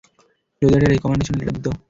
যদি একটা recommendation letter দিতে।